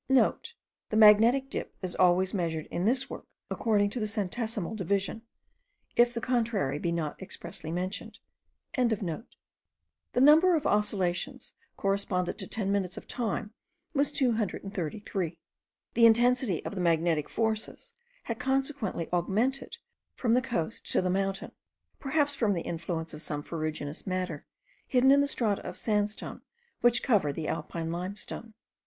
*(* The magnetic dip is always measured in this work, according to the centesimal division, if the contrary be not expressly mentioned.) The number of oscillations correspondent to 10 minutes of time was 233. The intensity of the magnetic forces had consequently augmented from the coast to the mountain, perhaps from the influence of some ferruginous matter, hidden in the strata of sandstone which cover the Alpine limestone.